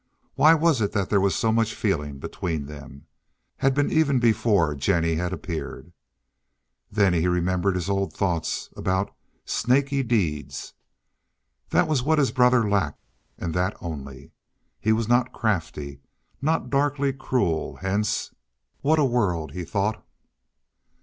Why was it that there was so much feeling between them—had been even before Jennie had appeared? Then he remembered his old thoughts about "snaky deeds." That was what his brother lacked, and that only. He was not crafty; not darkly cruel, hence. "What a world!" he thought.